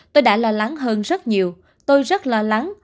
tôi đã lo lắng hơn rất nhiều tôi rất lo lắng